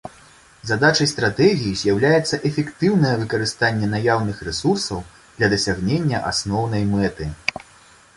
Задачай стратэгіі з'яўляецца эфектыўнае выкарыстанне наяўных рэсурсаў для дасягнення асноўнай мэты.